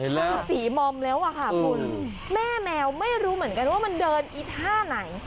คือสีมอมแล้วอะค่ะคุณแม่แมวไม่รู้เหมือนกันว่ามันเดินอีท่าไหน